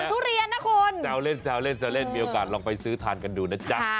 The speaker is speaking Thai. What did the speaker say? เปลือกทุเรียนนะคุณ